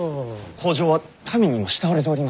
北条は民にも慕われております。